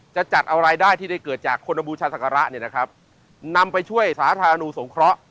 จะจัดเอารายได้ที่ได้เกิดจากคนบูชาศักระเนี่ยนะครับนำไปช่วยสาธารณูสงเคราะห์